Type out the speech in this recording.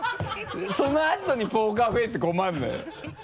そのあとにポーカーフェース困るのよ。